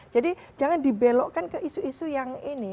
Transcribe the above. jadi jangan dibelokkan ke isu isu yang ini